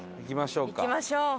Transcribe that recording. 行きましょうか。